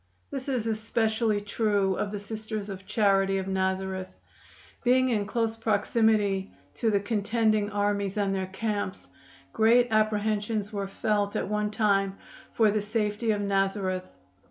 This is especially true of the Sisters of Charity of Nazareth. Being in close proximity to the contending armies and their camps, great apprehensions were felt at one time for the safety of Nazareth.